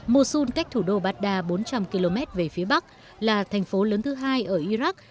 mosun cách thủ đô baghdad bốn trăm linh km về phía bắc là thành phố lớn thứ hai ở iraq